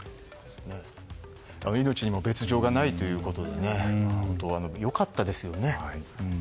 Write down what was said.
命にも別状がないということで本当に良かったですよね。